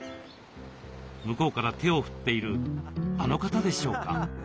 向こうから手を振っているあの方でしょうか？